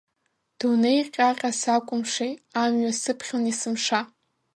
Дунеи ҟьаҟьа сакәымшеи, амҩа сыԥхьон есымша.